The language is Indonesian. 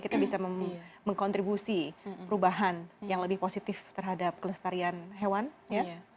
kita bisa mengkontribusi perubahan yang lebih positif terhadap kelestarian hewan ya